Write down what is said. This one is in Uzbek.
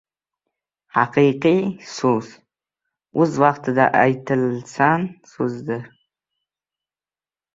• Haqiqiy so‘z ― o‘z vaqtida aytilsan so‘zdir.